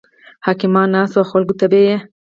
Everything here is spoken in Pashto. حکیمان ناست وو او خلکو ته به یې